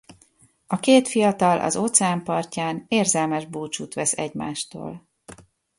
A két fiatal az óceán partján érzelmes búcsút vesz egymástól.